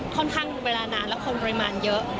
ค่อนข้างเวลานานแล้วคนปริมาณเยอะ